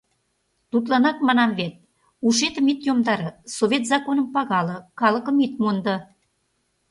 Тудланак манам вет: ушетым ит йомдаре, Совет законым пагале, калыкым ит мондо.